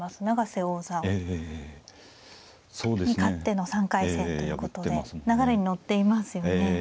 永瀬王座に勝っての３回戦ということで流れに乗っていますよね。